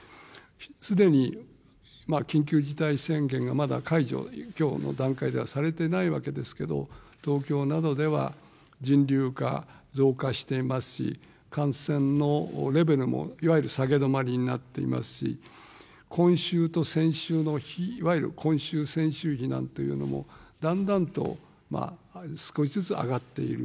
すでに緊急事態宣言がまだ解除、きょうの段階ではされてないわけですけど、東京などでは人流が増加していますし、感染のレベルもいわゆる下げ止まりになっていますし、今週と先週のいわゆる今週、先週比なんていうのも、だんだんと少しずつ上がっている。